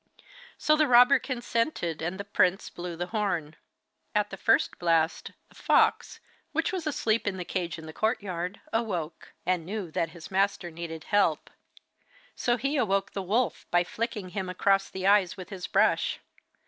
So the robber consented, and the prince blew the horn. At the first blast, the fox, which was asleep in the cage in the courtyard, awoke, and knew that his master needed help. So he awoke the wolf by flicking him across the eyes with his brush.